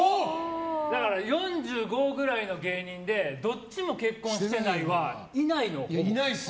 ４５くらいの芸人でどっちも結婚してないはいないの、ほぼ。